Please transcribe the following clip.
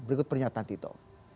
berikut pernyataan tito